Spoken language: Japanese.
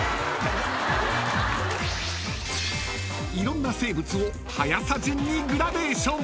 ［いろんな生物を速さ順にグラデーション］